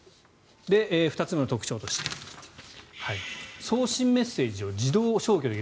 ２つ目の特徴として送信メッセージを自動消去できる。